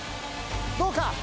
どうか？